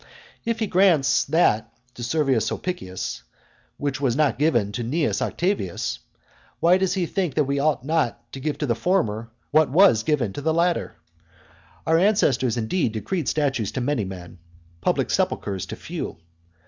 If he grants that to Servius Sulpicius which was not given to Cnaeus Octavius, why does he think that we ought not to give to the former what was given to the latter? Our ancestors, indeed, decreed statues to many men; public sepulchres to few.